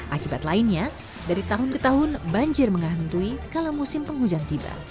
akibat lainnya dari tahun ke tahun banjir menghantui kala musim penghujan tiba